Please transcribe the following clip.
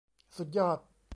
สุดยอด !